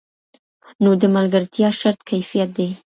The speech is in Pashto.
نو د ملګرتیا شرط کیفیت دی.